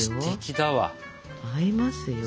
合いますよ。